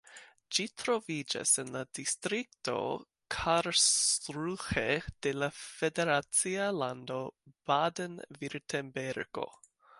Ĝi troviĝas en la distrikto Karlsruhe de la federacia lando Baden-Virtembergo.